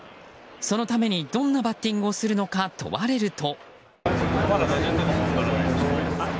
そのためにどんなバッティングをするのか問われると。